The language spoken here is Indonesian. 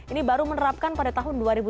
ini baru menerapkan pada tahun dua ribu sebelas